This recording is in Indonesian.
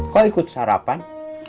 kok ikut sarapan